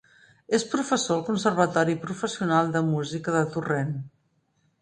És professor al Conservatori Professional de Música de Torrent.